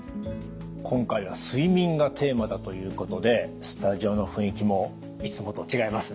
今回は「睡眠」がテーマだということでスタジオの雰囲気もいつもと違いますね。